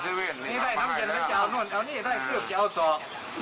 ได้ได้น้ำเย็นพอเอานี่ได้ก็ใช้ให้เอาส่อค